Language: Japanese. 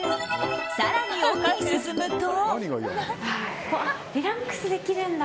更に奥に進むと。